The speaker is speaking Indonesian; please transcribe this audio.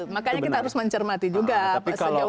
maka kita harus mencermati juga sejauh mana kalian beliau